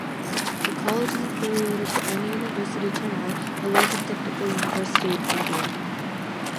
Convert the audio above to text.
The College is affiliated to Anna University, Chennai, the largest technical university in India.